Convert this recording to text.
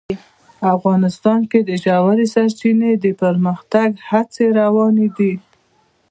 افغانستان کې د ژورې سرچینې د پرمختګ هڅې روانې دي.